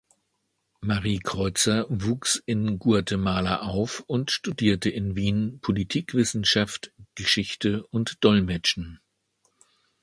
Mary Kreutzer wuchs in Guatemala auf und studierte in Wien Politikwissenschaft, Geschichte und Dolmetschen.